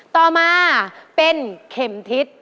ต่อมาเป็นเข็มทิศ